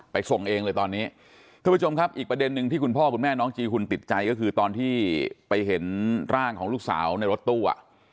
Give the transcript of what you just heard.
ส่งเองเลยตอนนี้ท่านผู้ชมครับอีกประเด็นหนึ่งที่คุณพ่อคุณแม่น้องจีหุ่นติดใจก็คือตอนที่ไปเห็นร่างของลูกสาวในรถตู้อ่ะ